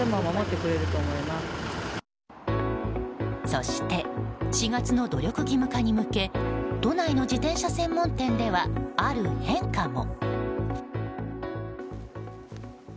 そして４月の努力義務化に向け都内の自転車専門店ではある変化も。